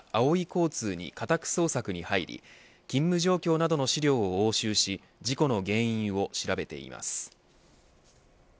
交通に家宅捜索に入り勤務状況などの資料を押収し事故の原因を調べています。